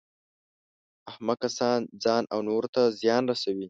احمق کسان ځان او نورو ته زیان رسوي.